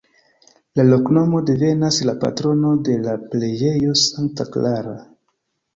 La loknomo devenas de patrono de la preĝejo Sankta Klara.